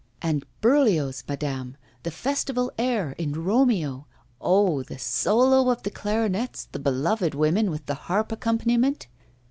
'And Berlioz, madame, the festival air in "Romeo." Oh! the solo of the clarionets, the beloved women, with the harp accompaniment!